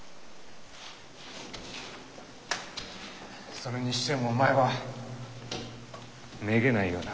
それにしてもお前はめげないよな。